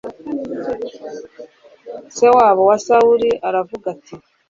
se wabo wa sawuli aravuga ati